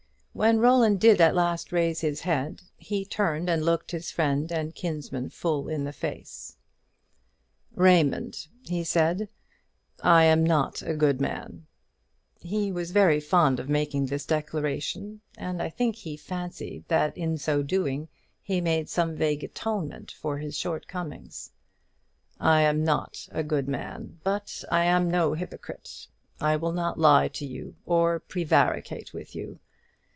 When Roland did at last raise his head, he turned and looked his friend and kinsman full in the face. "Raymond," he said, "I am not a good man;" he was very fond of making this declaration, and I think he fancied that in so doing he made some vague atonement for his short comings: "I am not a good man, but I am no hypocrite; I will not lie to you, or prevaricate with you.